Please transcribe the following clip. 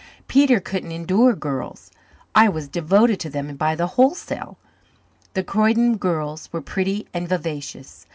Peter couldn't endure girls; I was devoted to them by the wholesale. The Croyden girls were pretty and vivacious.